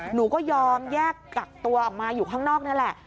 หนูก็ยอมแยกกักตัวออกมาอยู่ข้างนอกนั่นแหละ